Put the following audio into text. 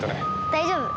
大丈夫。